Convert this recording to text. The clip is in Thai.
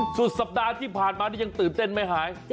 สุดสัปดาห์ที่ผ่านมานี่ยังตื่นเต้นไม่หาย